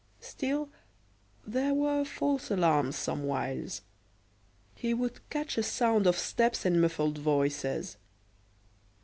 Still, there were false alarms somewhiles. He would catch a sound of steps and muffled voices.